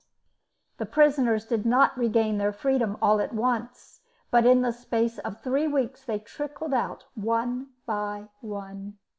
The prisoners did not regain their freedom all at once, but in the space of three weeks they trickled out one by one.